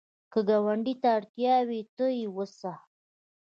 که ګاونډي ته اړتیا وي، ته یې وسه